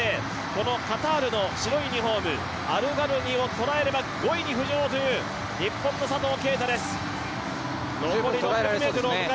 このカタールの白いユニフォームアルガルニをとらえれば５位に浮上というとらえられそうですね。